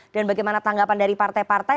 dan bagaimana tanggapan dari partai partai